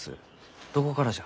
どこからじゃ？